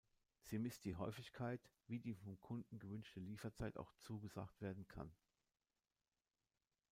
Sie misst die Häufigkeit, wie die vom Kunden gewünschte Lieferzeit auch zugesagt werden kann.